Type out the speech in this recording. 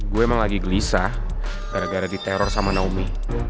gue emang lagi gelisah gara gara diteror sama naomi